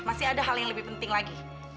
masih ada hal yang lebih penting lagi